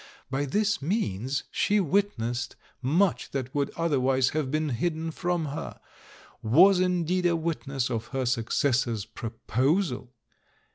By this means she witnessed much that would otherwise have been hidden from her — was indeed a witness of her successor's proposal.